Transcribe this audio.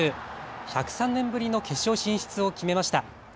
１０３年ぶりの決勝進出を決めました。